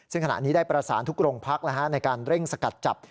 ซึ่งขณะนี้ได้ประสานทุกโรงพักในการเร่งสกัดจับ